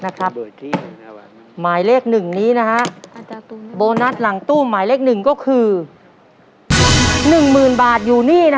นะครับหมายเลข๑นี้นะฮะโบนัสหลังตู้หมายเลข๑ก็คือ๑๐๐๐๐บาทอยู่นี่นะ